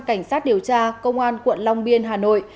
cảnh sát điều tra công an quận long biên hà nội